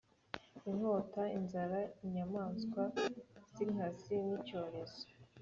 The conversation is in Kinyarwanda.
inkota inzara inyamaswa z inkazi n icyorezo